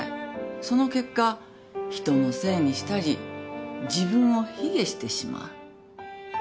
その結果人のせいにしたり自分を卑下してしまう。